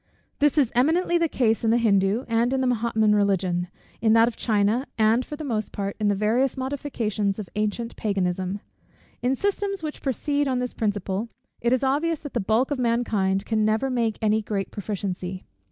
This is eminently the case in the Hindoo, and in the Mahometan Religion, in that of China, and, for the most part, in the various modifications of ancient Paganism. In systems which proceed on this principle, it is obvious that the bulk of mankind can never make any great proficiency.